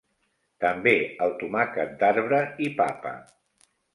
També el tomàquet d'arbre i papa.